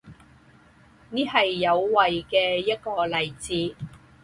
这是有违的一个例子。